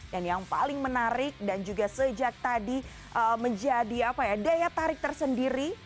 dan yang paling menarik dan juga sejak tadi menjadi apa ya daya tarik tersendiri